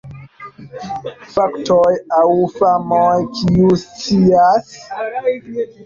Faktoj aŭ famoj: kiu scias?